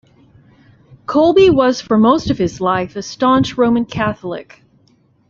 Colby was for most of his life a staunch Roman Catholic.